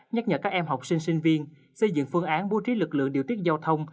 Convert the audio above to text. nhắc nhở các em học sinh sinh viên xây dựng phương án bố trí lực lượng điều tiết giao thông